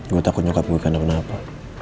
gue takut nyokap gue kena apa apa